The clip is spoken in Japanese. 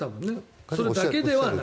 それだけではない。